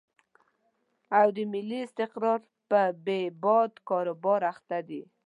او د ملي استقرار په بې باد کاروبار اخته دي.